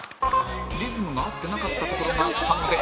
リズムが合ってなかったところがあったので△